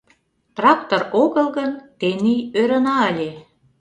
— Трактор огыл гын, тений ӧрына ыле.